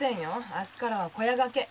明日からは小屋掛け